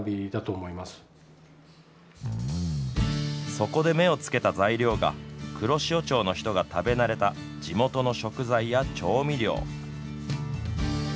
そこで目をつけた材料が黒潮町の人たちが食べ慣れた地元の食材や調味料。